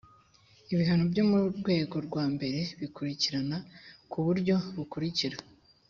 ibihano byo mu rwego rwa mbere bikurikirana ku buryo bukurikira